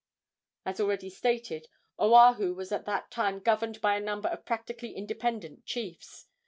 As already stated, Oahu was at that time governed by a number of practically independent chiefs.